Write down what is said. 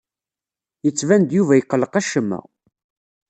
Yettban-d Yuba iqelleq acemma.